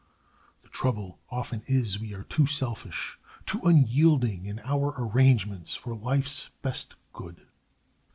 The trouble often is, we are too selfish, too unyielding in our arrangements for life's best good.